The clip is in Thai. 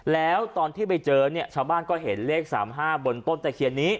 แล้วตอนที่ไปเจอเนี่ยชาวบ้านก็เห็นเลข๓๕บนต้นตะเคียนนี้